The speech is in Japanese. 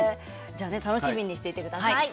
楽しみにしてください。